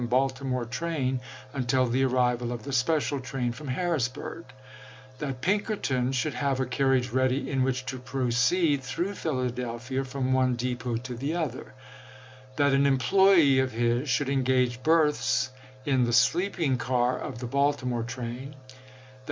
Baltimore train until the arrival of the special train from Harrisburg; that Pinkerton should have a carriage ready in which to proceed through Phila delphia from one depot to the other; that an employee of his should engage berths in the sleep ing car of the Baltimore train ; that Mi*.